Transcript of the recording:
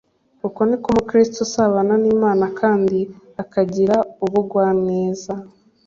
Uko niko n'umukristo usabana n'Imana kandi akagira ubugwaneza,